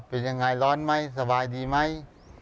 เป็นยังไงร้อนไหมสบายดีไหม